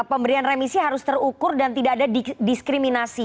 pemberian remisi harus terukur dan tidak ada diskriminasi